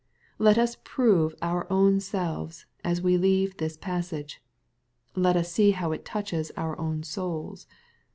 Let us prove our own selves, as we leave the passaga Let us see how it touches our own souls.